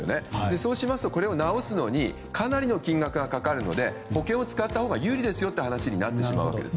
そうしますと、これを直すのにかなりの金額がかかるので保険を使ったほうが有利ですよという話になるわけです。